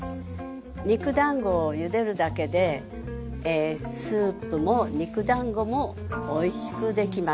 肉だんごをゆでるだけでスープも肉だんごもおいしくできます。